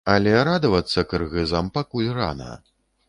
Але радавацца кыргызам пакуль рана.